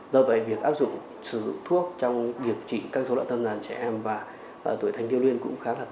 do vậy việc áp dụng sử dụng thuốc trong điều trị các số loại tâm lý của trẻ em và tuổi thành tiêu luyên cũng khá là tốt